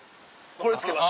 これつけます。